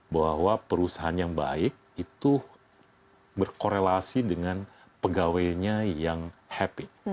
bahwa perusahaan yang baik itu berkorelasi dengan pegawainya yang happy